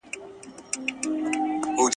پرون تر پېښي وروسته پولیس سيمي ته ورسېدل.